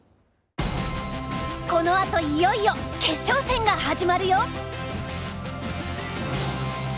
このあといよいよ決勝戦が始まるよ！